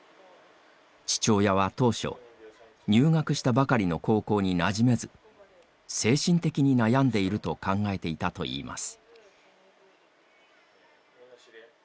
父親は当初入学したばかりの高校になじめず精神的に悩んでいると考えていたといいます。